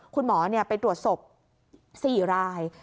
คุณหมอไปตรวจศพ๔ราย